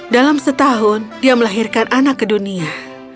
dalam setahun dia melahirkan anak ke dunia